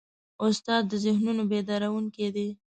استاد د ذهنونو بیدارونکی دی.